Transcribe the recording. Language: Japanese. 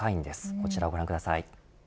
こちらご覧ください。